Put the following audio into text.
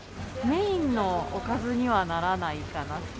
メインのおかずにはならない